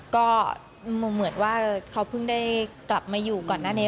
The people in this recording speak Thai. ก็เหมือนว่าเขาเพิ่งได้กลับมาอยู่ก่อนหน้านี้